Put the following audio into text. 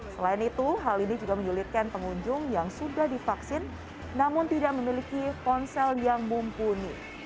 selain itu hal ini juga menyulitkan pengunjung yang sudah divaksin namun tidak memiliki ponsel yang mumpuni